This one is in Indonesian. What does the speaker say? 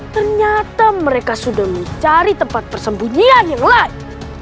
ternyata mereka sudah mencari tempat persembunyian yang lain